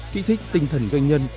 kích thích tinh thần doanh nhân